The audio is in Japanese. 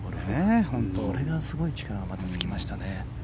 これがすごい力がまたつきました。